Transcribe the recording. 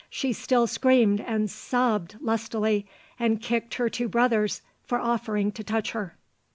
she still screamed and sobbed lustily, and kicked her two brothers for offering to touch her.